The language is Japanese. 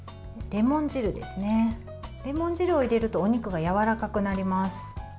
レモン汁を入れるとお肉がやわらかくなります。